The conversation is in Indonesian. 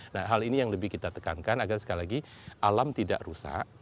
nah hal ini yang lebih kita tekankan agar sekali lagi alam tidak rusak